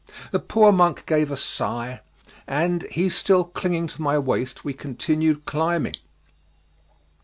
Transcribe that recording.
The poor monk gave a sigh, and he still clinging to my waist we continued climbing.